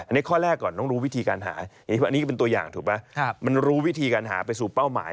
อันนี้ข้อแรกก่อนต้องรู้วิธีการหายอันนี้ก็เป็นตัวอย่างถูกไหมมันรู้วิธีการหาไปสู่เป้าหมาย